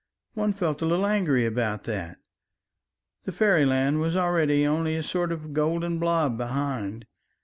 one felt a little angry about that ... the fairyland was already only a sort of golden blot behind